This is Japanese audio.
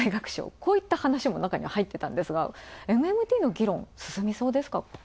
こういった話もなかには入ってたんですが、ＭＭＴの議論、進みそうですか？